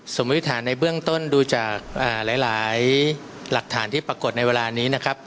สมมุติฐานในเบื้องต้นดูจากหลายหลักฐานที่ปรากฏในเวลานี้นะครับ